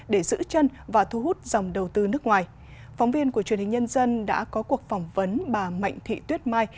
để giữ chân và thu hút dòng đầu tư nước ngoài phóng viên của truyền hình nhân dân đã có cuộc phỏng vấn bà mạnh thị tuyết mai